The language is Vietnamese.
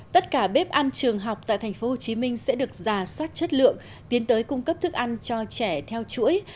tất cả bếp ăn trường học tại tp hcm sẽ được giả soát chất lượng tiến tới cung cấp thức ăn cho trẻ theo chuỗi